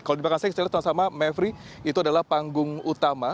kalau di bahkan saya bisa lihat sama sama mevri itu adalah panggung utama